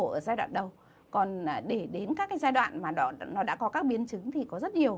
ở giai đoạn đầu còn để đến các cái giai đoạn mà nó đã có các biến chứng thì có rất nhiều